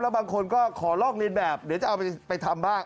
บางคนก็ขอลอกเรียนแบบเดี๋ยวจะเอาไปทำบ้าง